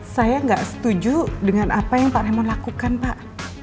saya nggak setuju dengan apa yang pak hemon lakukan pak